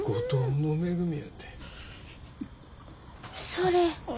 それ。